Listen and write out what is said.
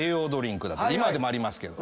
今でもありますけど。